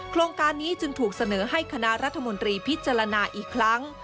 โครงการนี้จึงถูกเสนอให้คณะรัฐมนตรีพิจารณาอีกครั้ง